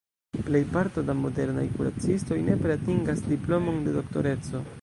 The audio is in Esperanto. Plejparto da modernaj kuracistoj nepre atingas diplomon de Doktoreco.